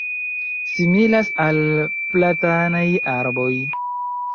similas al platanaj arboj